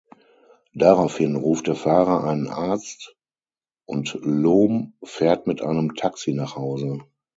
Daraufhin ruft der Fahrer einen Arzt und Lohm fährt mit einem Taxi nach Hause.